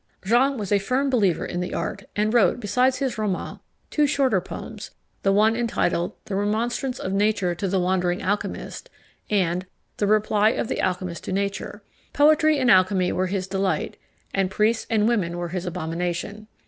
Jean was a firm believer in the art, and wrote, besides his Roman, two shorter poems, the one entitled The Remonstrance of Nature to the wandering Alchymist and The Reply of the Alchymist to Nature. Poetry and alchymy were his delight, and priests and women were his abomination.